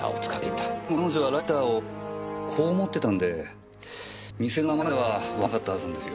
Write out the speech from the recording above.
でも彼女はライターをこう持ってたんで店の名前まではわからなかったはずなんですよ。